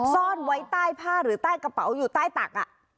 ซ่อนไว้ใต้ผ้าหรือใต้กระเป๋าอยู่ใต้ตัก